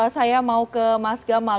saya mau ke mas gamal